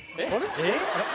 えっ？